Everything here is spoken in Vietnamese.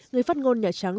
người phát ngôn nhà trắng